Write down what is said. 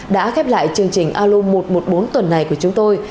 đã khép lại chương trình a lô một trăm một mươi bốn tuần này của chúng tôi